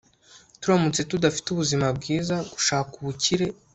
turamutse tudafite ubuzima bwiza, gushaka ubukire